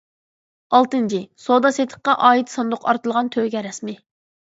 ئالتىنچى: سودا-سېتىققا ئائىت ساندۇق ئارتىلغان تۆگە رەسىمى.